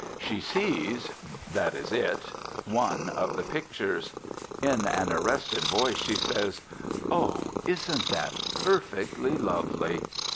She sees, that is it, one of the pictures. In an arrested voice she says: "Oh, isn't that perfectly lovely!"